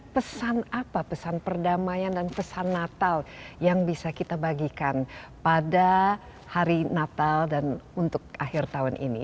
pesan apa pesan perdamaian dan pesan natal yang bisa kita bagikan pada hari natal dan untuk akhir tahun ini